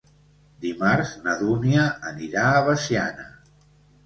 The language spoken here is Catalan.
Dimarts na Dúnia anirà a Veciana.